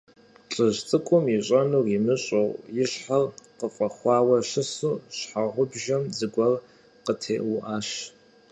ЛӀыжь цӀыкӀум, ищӀэнур имыщӀэу, и щхьэр къыфӀэхуауэ щысу, щхьэгъубжэм зыгуэр къытеуӀуащ.